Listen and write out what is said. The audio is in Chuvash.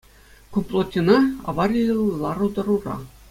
Ку плотина авариллӗ лару-тӑрура.